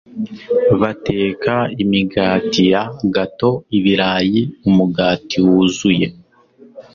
Bateka imigati ya gato, ibirayi, umugati wuzuye,